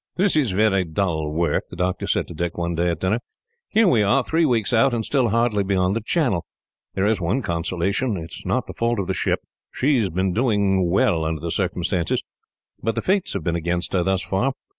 "This is very dull work," the doctor said to Dick one day, at dinner. "Here we are, three weeks out, and still hardly beyond the Channel. There is one consolation. It is not the fault of the ship. She has been doing well, under the circumstances, but the fates have been against her, thus far.